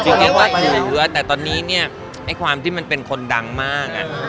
จริงก็ถือเนอะจริงก็ถือเนอะแต่ตอนนี้เนี่ยไอ้ความที่มันเป็นคนดังมากอ่ะ